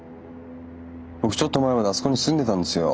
僕ちょっと前まであそこに住んでたんですよ。